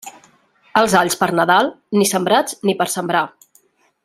Els alls per Nadal, ni sembrats ni per sembrar.